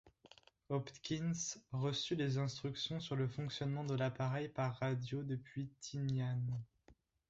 Hopkins reçut les instructions sur le fonctionnement de l'appareil par radio depuis Tinian.